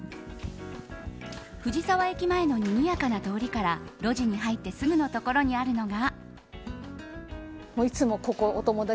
藤沢駅前のにぎやかな通りから路地に入ってすぐのところにあるのが。